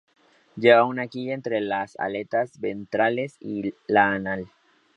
Lleva una quilla entre las aletas ventrales y la anal.